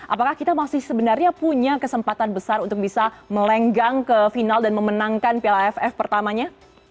apakah kita masih sebenarnya punya kesempatan besar untuk bisa melenggang ke final dan memenangkan piala aff pertamanya